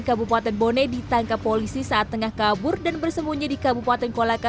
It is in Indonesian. kabupaten bone ditangkap polisi saat tengah kabur dan bersembunyi di kabupaten kolaka